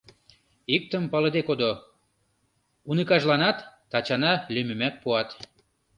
Иктым палыде кодо: уныкажланат Тачана лӱмымак пуат.